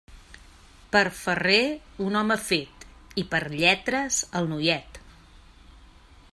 Per ferrer, un home fet, i per lletres, el noiet.